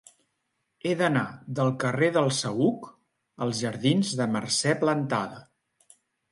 He d'anar del carrer del Saüc als jardins de Mercè Plantada.